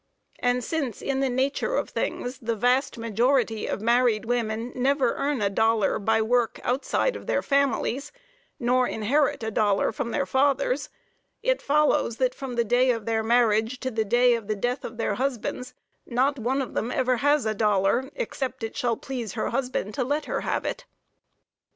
And since, in the nature of things, the vast majority of married women never earn a dollar, by work outside of their families, nor inherit a dollar from their fathers, it follows that from the day of their marriage to the day of the death of their husbands, not one of them ever has a dollar, except it shall please her husband to let her have it.